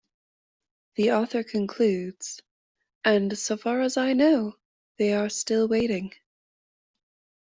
The author concludes And so far as I know, they are still waiting.